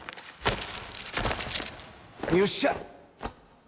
よっしゃ！